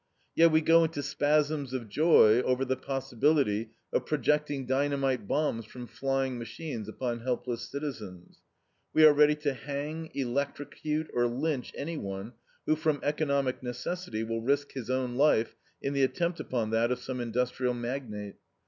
Yet we go into spasms of joy over the possibility of projecting dynamite bombs from flying machines upon helpless citizens. We are ready to hang, electrocute, or lynch anyone, who, from economic necessity, will risk his own life in the attempt upon that of some industrial magnate.